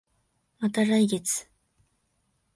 また来月